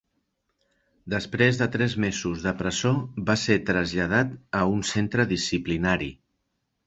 Després de tres mesos de presó va ser traslladat a un centre disciplinari.